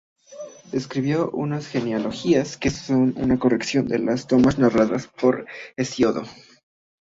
Escribió unas "Genealogías", que son una corrección de los temas narrados por Hesíodo.